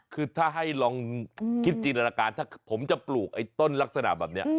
คือถ้าให้ลองคิดจินตนาการถ้าผมจะปลูกไอ้ต้นลักษณะแบบนี้